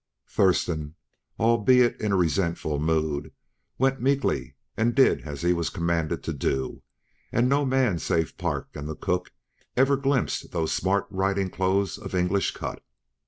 Thurston, albeit in resentful mood, went meekly and did as he was commanded to do; and no man save Park and the cook ever glimpsed those smart riding clothes of English cut.